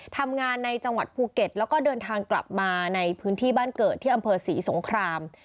ทำงานในจังหวัดภูเก็ตแล้วก็เดินทางกลับมาในพื้นที่บ้านเกิดที่อำเภอศรีสงคราม